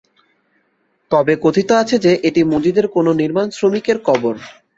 তবে কথিত আছে যে এটি মসজিদের কোন নির্মাণ শ্রমিকের কবর।